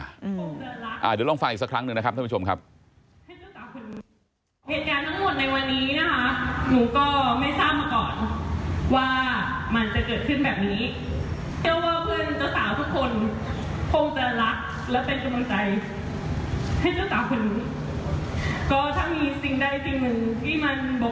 เดี๋ยวลองฟังอีกสักครั้งหนึ่งนะครับท่านผู้ชมครับ